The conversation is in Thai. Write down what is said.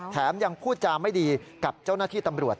ยังพูดจาไม่ดีกับเจ้าหน้าที่ตำรวจ